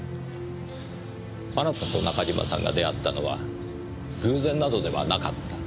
あなたと中島さんが出会ったのは偶然などではなかった。